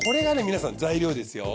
皆さん材料ですよ。